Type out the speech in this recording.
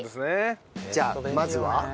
じゃあまずは？